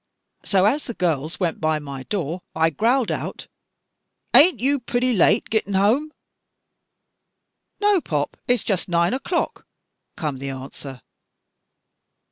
So as the girls went by my door, I growled out: *An't you purty late gittin' home?' *No, pop, it's just nine o'clock,' come the answer.